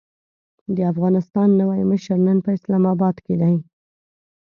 د افغانستان نوی مشر نن په اسلام اباد کې دی.